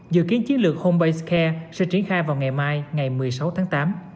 dự kiến chiến lược home based care sẽ triển khai vào ngày mai ngày một mươi sáu tháng tám